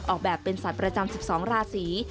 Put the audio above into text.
ออกแบบเป็นสัตว์ประจำ๑๒ราศี